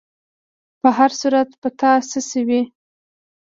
په هر صورت، په تا څه شوي؟